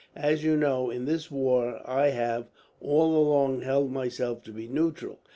As you know, in this war I have, all along, held myself to be a neutral.